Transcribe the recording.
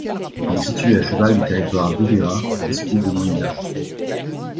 Il est situé à cheval du territoire d’Uvira et celui de Mwenga.